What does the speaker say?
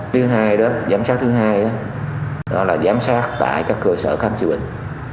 thứ hai đó giám sát thứ hai đó đó là giám sát tại các cơ sở khám chịu bệnh